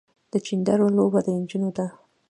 د چيندرو لوبه د نجونو ده.